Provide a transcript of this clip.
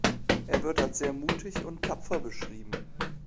Er wird als sehr mutig und tapfer beschrieben.